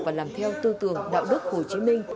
và làm theo tư tưởng đạo đức hồ chí minh